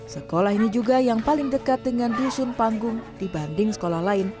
sekolah ini juga yang paling dekat dengan dusun panggung dibanding sekolah lain